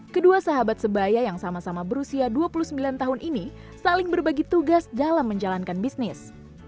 kedua sahabat sebaya yang sama sama berusia dua puluh sembilan tahun ini saling berbagi tugas dalam menjalankan bisnis